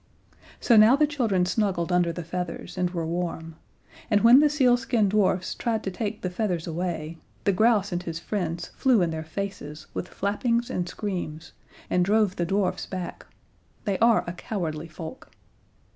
So now the children snuggled under the feathers and were warm, and when the sealskin dwarfs tried to take the feathers away, the grouse and his friends flew in their faces with flappings and screams, and drove the dwarfs back. They are a cowardly folk.